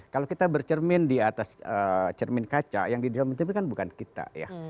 kalau kita bercermin di atas cermin kaca yang di dalam mencermin kan bukan kita ya